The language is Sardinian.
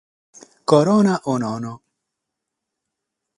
Corona o nono?